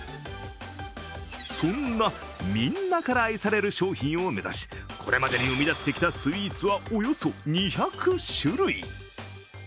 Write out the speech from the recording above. そんなみんなから愛される商品を目指しこれまでに生み出してきたスイーツはおよそ２００種類。